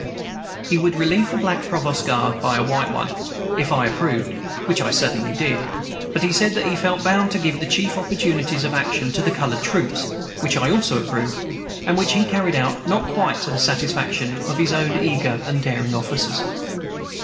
He would relieve the black provost guard by a white one, if I approved, which I certainly did. But he said that he felt bound to give the chief opportunities of action to the colored troops, which I also approved, and which he carried out, not quite to the satisfaction of his own eager and daring officers.